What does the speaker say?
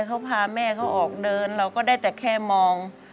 เขาพาแม่เขาออกเดินเราก็ได้แต่แค่มอง